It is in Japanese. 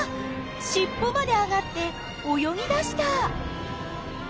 しっぽまで上がって泳ぎだした！